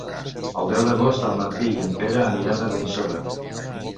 El deu d'agost en Martí i en Pere aniran a Benissoda.